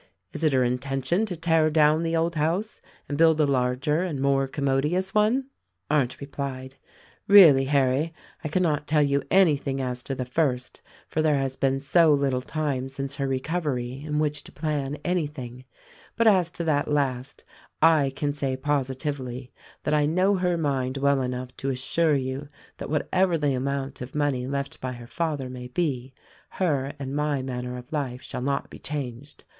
Is it her intention" to tear down the old house and build a larger and more commodious one?" 268 THE RECORDING ANGEL Arndt replied, "Really, Harry, I cannot tell you anything as to the first, for there has been so little time since her recovery in which to plan anything ; but as to that last, I can say positively that I know her mind well enough to assure you that whatever the amount of money left by her father may be, her and my manner of life shall not be changed.